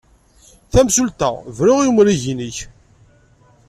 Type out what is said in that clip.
Tamsulta! Bru i umrig-nnek!